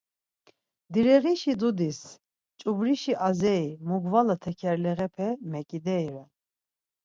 Direğişi dudis çubrişi azei mugvala tekerleğepe mekidei ren.